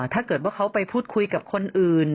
ถ้าเกิดว่าเขาไปพูดคุยกับคนอื่น